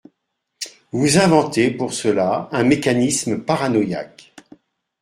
Vous inventez pour cela un mécanisme paranoïaque.